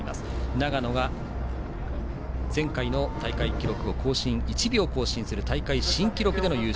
長野が前回の大会記録を１秒更新する大会新記録で優勝。